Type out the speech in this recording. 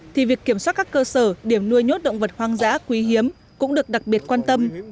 thì việc kiểm soát các cơ sở điểm nuôi nhốt động vật hoang dã quý hiếm cũng được đặc biệt quan tâm